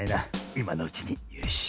いまのうちによし。